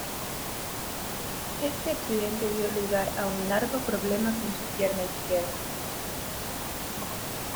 Este accidente dio lugar a un largo problema con su pierna izquierda.